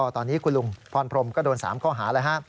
ตอนนี้คุณลุงพรพรมก็โดน๓ข้อหาแล้วฮะ